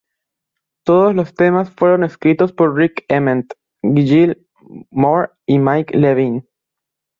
Todos los temas fueron escritos por Rik Emmett, Gil Moore y Mike Levine.